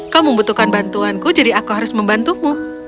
kau membutuhkan bantuanku jadi aku harus membantumu